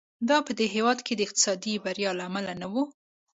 دا په دې هېواد کې د اقتصادي بریا له امله نه و.